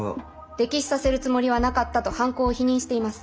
溺死させるつもりはなかったと犯行を否認しています。